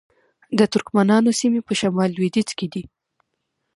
د ترکمنانو سیمې په شمال لویدیځ کې دي